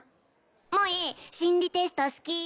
萌心理テスト好き！